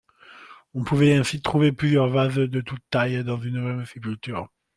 On pouvait ainsi trouver plusieurs vases de toutes tailles dans une même sépulture.